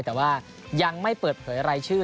แต่ว่ายังไม่เปิดเผยรายชื่อ